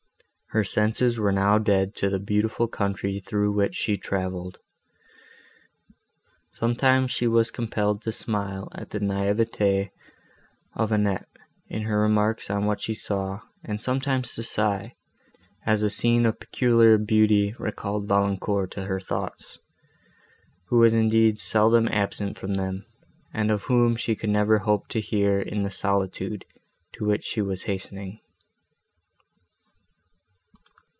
Her senses were now dead to the beautiful country, through which she travelled. Sometimes she was compelled to smile at the naïveté of Annette, in her remarks on what she saw, and sometimes to sigh, as a scene of peculiar beauty recalled Valancourt to her thoughts, who was indeed seldom absent from them, and of whom she could never hope to hear in the solitude, to which she was hastening.